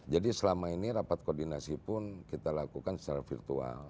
jadi selama ini rapat koordinasi pun kita lakukan secara virtual